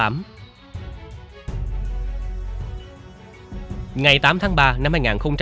ngày tám tháng ba năm hai nghìn một mươi ba